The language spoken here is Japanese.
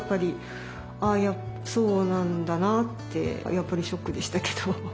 やっぱりショックでしたけど。